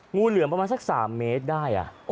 งูเหลือมประมาณสัก๓เมตรได้